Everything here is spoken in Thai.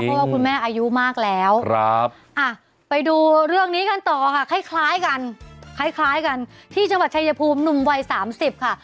เพราะว่าคุณแม่อายุมากแล้วไปดูเรื่องนี้กันต่อค่ะคล้ายกันคล้ายกันที่จังหวัดชายภูมิหนุ่มวัย๓๐ค่ะ